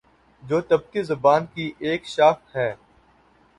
جو تبتی زبان کی ایک شاخ ہے